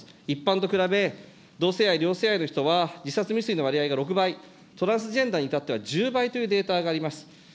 一般と比べ、同性愛、両性愛の人は、自殺未遂の割合が６倍、トランスジェンダーにいたっては１０倍というデータがあります。